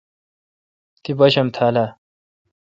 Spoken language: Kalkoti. تی باشم تھال اؘ۔